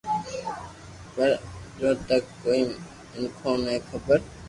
پر اڄو تڪ ڪوئي مينکو ني خبر